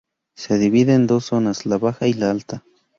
Se divide en dos zonas: la baja y la alta.